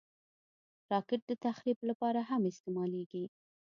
راکټ د تخریب لپاره هم استعمالېږي